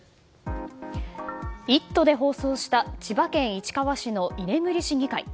「イット！」で放送した千葉県市川市の居眠り市議会。